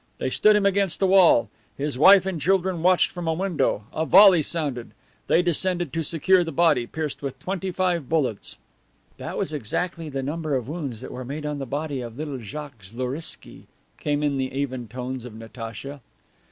They stood him against a wall. His wife and children watched from a window. A volley sounded. They descended to secure the body, pierced with twenty five bullets." "That was exactly the number of wounds that were made on the body of little Jacques Zloriksky," came in the even tones of Natacha.